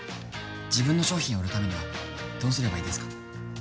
自分の商品を売るためにはどうすればいいですか？